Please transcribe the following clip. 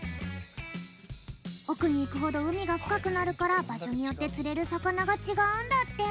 おくにいくほどうみがふかくなるからばしょによってつれるさかながちがうんだって！